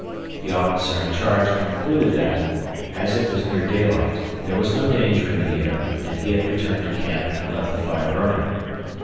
The officer in charge concluded that, as it was near daylight, there was no danger in the air, and he had returned to camp and left the fire burning.